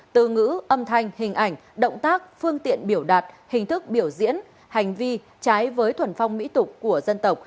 từ ngữ âm thanh hình ảnh động tác phương tiện biểu đạt hình thức biểu diễn hành vi trái với thuần phong mỹ tục của dân tộc